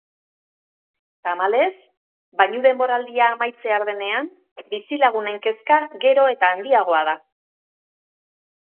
Tamalez, bainu-denboraldia amaitzear denean, bizilagunen kezka gero eta handiagoa da.